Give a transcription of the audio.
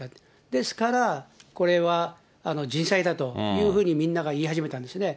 ですから、これは人災だというふうにみんなが言い始めたんですね。